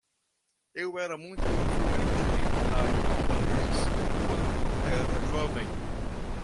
Eu era muito fluente em taiwanês quando era jovem.